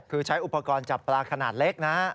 คือใช้อุปกรณ์จับปลาขนาดเล็กนะ